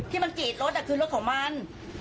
ที่มันกรีดรถคือรถของมัน